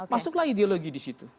masuklah ideologi di situ